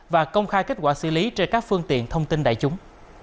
và công khai kết quả xử lý trên các phương tiện thông tin đại chúng